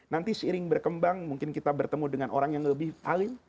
nanti seiring berkembang mungkin kita bertemu dengan orang yang lebih paling